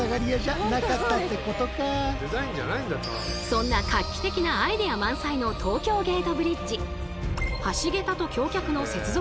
そんな画期的なアイデア満載の東京ゲートブリッジ。